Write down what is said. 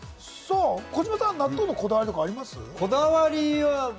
児嶋さん、納豆のこだわりとか、あります？